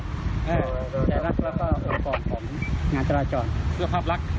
ครับปฏิบัติในงานแล้วก็อุปกรณ์